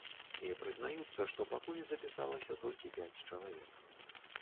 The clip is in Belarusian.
І прызнаюцца, што пакуль запісалася толькі пяць чалавек.